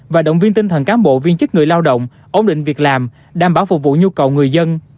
và động viên tinh thần cán bộ viên chức người lao động ổn định việc làm đảm bảo phục vụ nhu cầu người dân